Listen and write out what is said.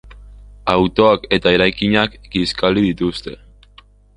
Autoak eta eraikinak kiskali dituzte.